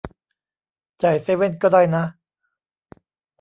จ่ายเซเว่นก็ได้นะ